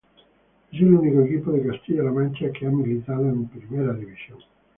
Es el único equipo de Castilla-La Mancha que ha militado en Primera División.